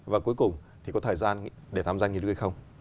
và cuối cùng thì có thời gian để tham gia nghiên cứu hay không